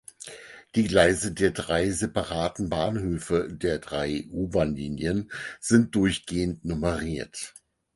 Die Gleise der drei separaten Bahnhöfe der drei U-Bahnlinien sind durchgehend nummeriert.